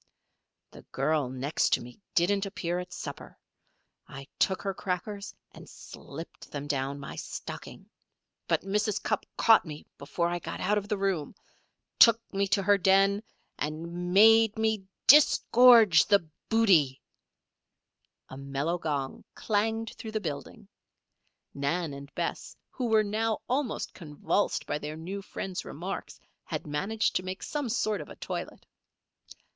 "The girl next to me didn't appear at supper. I took her crackers and slipped them down my stocking. But Mrs. Cupp caught me before I got out of the room, took me to her den, and made me disgorge the booty " A mellow gong clanged through the building. Nan and Bess, who were now almost convulsed by their new friend's remarks, had managed to make some sort of a toilet.